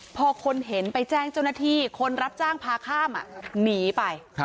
พอคนเห็นไปแจ้งเจ้าหน้าที่คนรับจ้างพาข้ามหนีไป